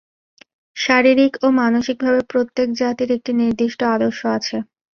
শারীরিক ও মানসিকভাবে প্রত্যেক জাতির একটি নির্দিষ্ট আদর্শ আছে।